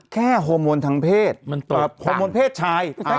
แค่โฮโมนทางเพศโฮโมนเพศชาย